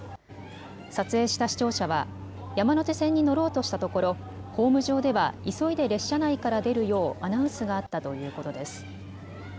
撮影した視聴者は山手線に乗ろうとしたところホーム上では急いで列車内から出るようアナウンスがあったということです。